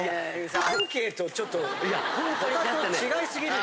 アンケートちょっと他と違い過ぎる。